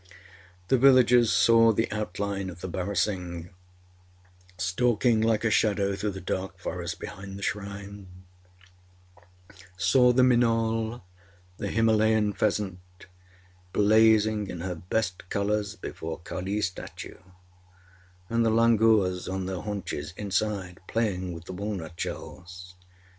The villagers saw the outline of the barasingh stalking like a shadow through the dark forest behind the shrine; saw the minaul, the Himalayan pheasant, blazing in her best colours before Kaliâs statue; and the langurs on their haunches, inside, playing with the walnut shells.